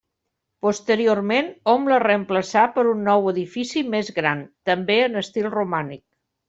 Posteriorment, hom la reemplaçà per un nou edifici més gran, també en estil romànic.